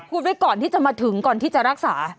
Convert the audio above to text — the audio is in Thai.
พูดไว้ก่อนที่จะมาถึงก่อนที่จะรักษา